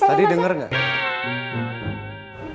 tadi denger gak